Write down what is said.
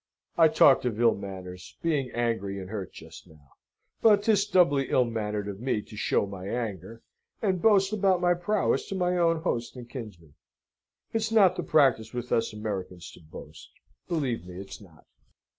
"I talked of ill manners, being angry and hurt just now; but 'tis doubly ill mannered of me to show my anger, and boast about my prowess to my own host and kinsman. It's not the practice with us Americans to boast, believe me, it's not."